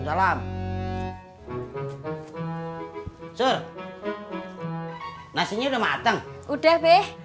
salam suruh nasinya udah mateng udah deh